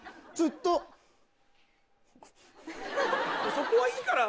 そこはいいから！